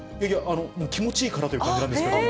気持ちいいからという感じなんけれども。